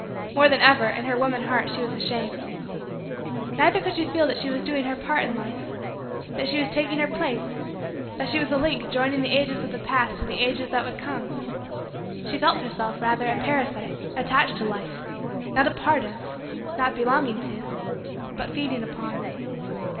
More than ever, in her woman heart, she was ashamed. Neither could she feel that she was doing her part in Life that she was taking her place that she was a link joining the ages of the past to the ages that would come. She felt herself, rather, a parasite, attached to Life not a part of not belonging to but feeding upon.